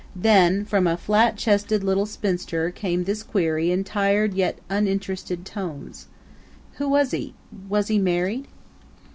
Then from a flat chested little spinster came this query in tired yet interested tones: "Was he was he married?"